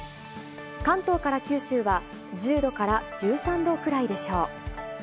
関東から九州は１０度から１３度くらいでしょう。